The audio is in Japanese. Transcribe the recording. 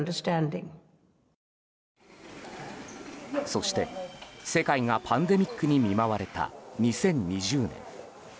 そして、世界がパンデミックに見舞われた２０２０年。